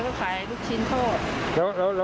ตอนแรกขายน้ำสะพูกตอนนั้นก็ขายลูกชิ้นโทษ